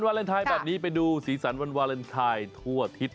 บันทัยแบบนี้ไปดูศรีสันวันวาเลนทัยทั่วอาทิตย์